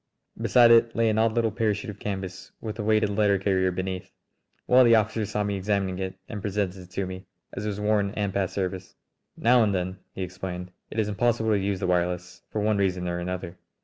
Beside it lay an odd little parachute of canvas with a weighted letter carrier beneath. One of the officers saw me examining it and presented it to me, as it was worn and past service. "Now and then," he explained, "it is impossible to use the wireless, for one reason or another.